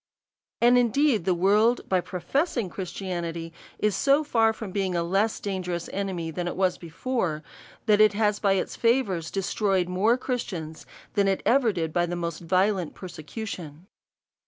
And indeed the world, by professing Christianity, is so far from being a less dangerous enemy than it was before, that it has by its favours destroyed more Christians than ever it did by the most violent perse cution.